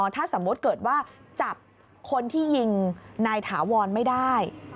ถ้าสมมุติเกิดว่าจับคนที่ยิงนายถาวรไม่ได้